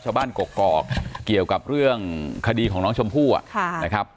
ชาวบ้านกรอกกรอกเกี่ยวกับเรื่องคดีของน้องชมพูอ่ะค่ะนะครับ